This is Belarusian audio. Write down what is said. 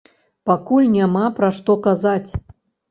Пакуль няма пра што казаць.